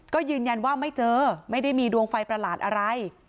ก็ยืนยันว่าไม่เจอไม่ได้มีดวงไฟประหลาดอะไร